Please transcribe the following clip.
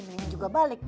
mendingan juga balik